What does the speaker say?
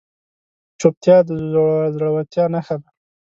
چوپتیا، د زړورتیا نښه ده.